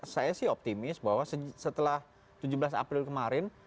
saya sih optimis bahwa setelah tujuh belas april kemarin